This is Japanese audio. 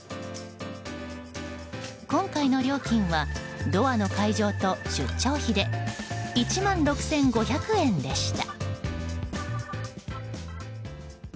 今回の料金はドアの解錠と出張費で１万６５００円でした。